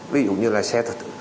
ví dụ như là xe thật